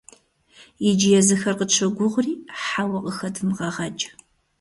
Иджы езыхэр къытщогугъри, «хьэуэ» къыхэдвмыгъэгъэкӀ.